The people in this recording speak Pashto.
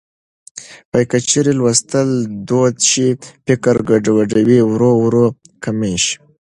که چېرې لوستل دود شي، فکري ګډوډي ورو ورو کمه شي.